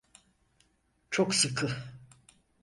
Çok sıkı.